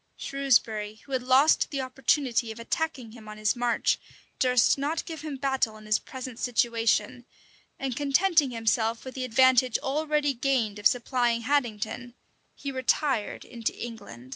Shrewsbury, who had lost the opportunity of attacking him on his march, durst not give him battle in his present situation; and contenting himself with the advantage already gained of supplying Haddington, he retired into England.